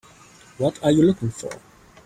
What are you looking for?